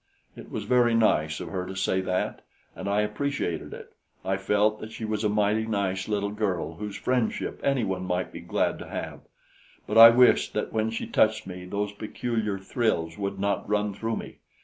It was very nice of her to say that, and I appreciated it. I felt that she was a mighty nice little girl whose friendship anyone might be glad to have; but I wished that when she touched me, those peculiar thrills would not run through me.